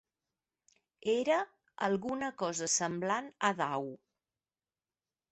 Era alguna cosa semblant a dau.